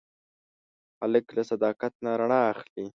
هلک له صداقت نه رڼا اخلي.